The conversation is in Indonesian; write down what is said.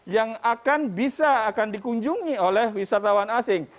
yang akan bisa akan dikunjungi oleh wisatawan asing